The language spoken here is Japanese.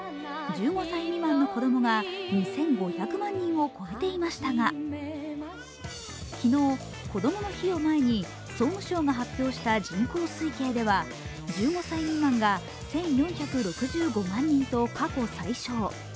１５歳未満の子供が２５００万人を超えていましたが、昨日、こどもの日を前に総務省が発表した人口推計では１５歳未満が１４６５万人と過去最少。